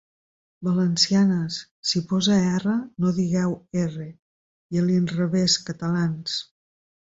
Valencianes, si posa 'erra' no digueu 'erre'; i a l'inrevès, catalans.